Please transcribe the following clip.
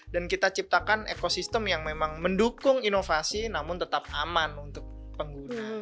dan kita ciptakan ekosistem yang memang mendukung inovasi namun tetap aman untuk pengguna